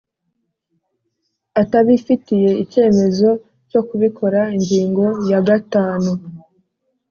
atabifitiye icyemezo cyo kubikora. Ingingo ya gatanu: